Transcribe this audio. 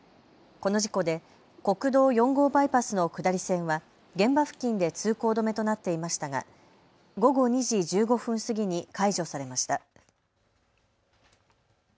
この事故で国道４号バイパスの下り線は現場付近で通行止めとなっていましたが午後２時１５分過ぎに解除されました。